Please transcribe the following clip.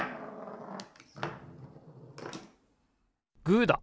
グーだ！